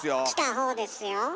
来たほうですよ。